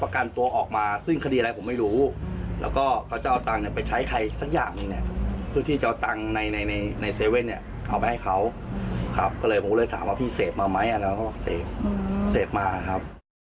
ก็เลยผมเลยถามว่าพี่เสพมันไหมนะครับเสพมาครับ